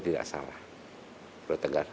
tidak salah beliau tegar